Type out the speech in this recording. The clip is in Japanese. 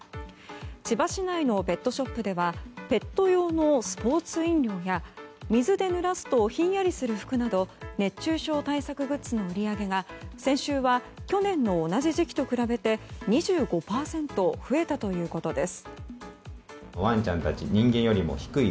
千葉市内のペットショップではペット用のスポーツ飲料や水でぬらすとひんやりする服など熱中症対策グッズの売り上げが先週は去年の同じ時期と比べて２５％増えたということです。